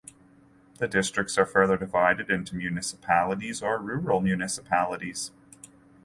The districts are further divided into municipalities or rural municipalities.